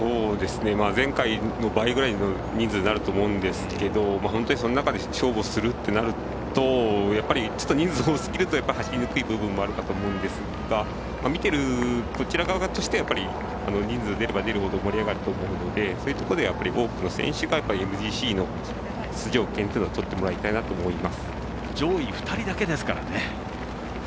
前回の倍ぐらいの人数になると思うんですがその中で勝負をするってなるとちょっと人数多すぎると走りにくい部分もあるかと思うんですが見てる、こちら側としては人数、出れば出るほど盛り上がると思うのでそういうところで多くの選手がＭＧＣの出場権っていうのは上位２人だけですからね。